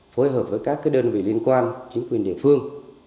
phối hợp với các đơn vị liên quan chính quyền địa phương